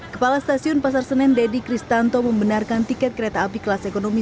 kepala stasiun pasar senen deddy kristanto membenarkan tiket kereta api kelas ekonomi